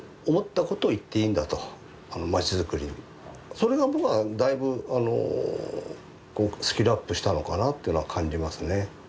それが僕はだいぶスキルアップしたのかなっていうのは感じますね。